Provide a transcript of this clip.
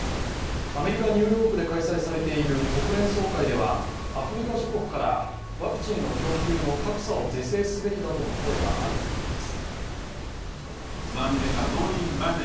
アメリカ・ニューヨークで開催されている国連総会ではアフリカ諸国からワクチンの供給の格差を是正すべきだとの声が相次いでいます。